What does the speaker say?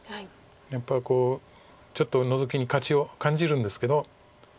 やっぱりちょっとノゾキに価値を感じるんですけど。